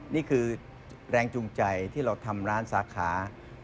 นี่คือแรงจูงใจที่เราทำร้านสาขา